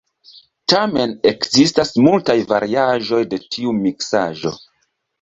Tamen ekzistas multaj variaĵoj de tiu miksaĵo.